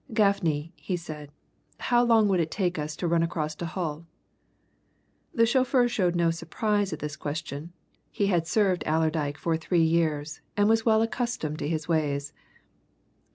"Gaffney," he said, "how long would it take us to run across to Hull?" The chauffeur showed no surprise at this question; he had served Allerdyke for three years, and was well accustomed to his ways.